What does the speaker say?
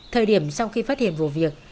thời điểm sau khi phát hiện vụ việc